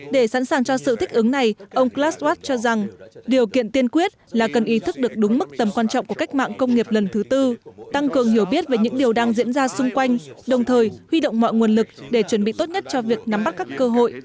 để sẵn sàng cho sự thích ứng này ông klaswatch cho rằng điều kiện tiên quyết là cần ý thức được đúng mức tầm quan trọng của cách mạng công nghiệp lần thứ tư tăng cường hiểu biết về những điều đang diễn ra xung quanh đồng thời huy động mọi nguồn lực để chuẩn bị tốt nhất cho việc nắm bắt các cơ hội